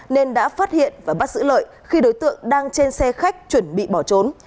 nên đã phát hiện và bắt giữ lợi khi đối tượng đang trên xe khách chuẩn bị bỏ trốn